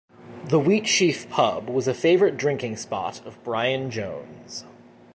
The Wheatsheaf Pub was a favourite drinking spot of Brian Jones.